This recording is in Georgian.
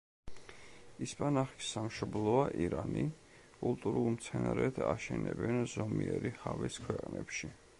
ისპანახის სამშობლოა ირანი, კულტურულ მცენარედ აშენებენ ზომიერი ჰავის ქვეყნებში.